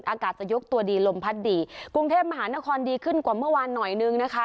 อากาศจะยกตัวดีลมพัดดีกรุงเทพมหานครดีขึ้นกว่าเมื่อวานหน่อยนึงนะคะ